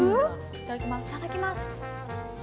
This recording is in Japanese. いただきます。